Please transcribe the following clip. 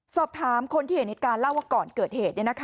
สอบถามคนที่เห็นเหตุการณ์เล่าว่าก่อนเกิดเหตุ